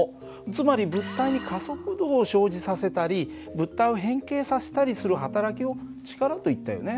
つまり物体に加速度を生じさせたり物体を変形させたりする働きを力といったよね。